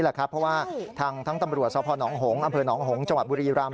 เพราะว่าทั้งตำรวจทรนหงอำเภิร์ดนหงจบุรีรัม